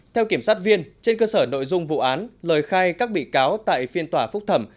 theo kiểm sát viên trên cơ sở nội dung vụ án lời khai các bị cáo tại phiên tòa phúc thẩm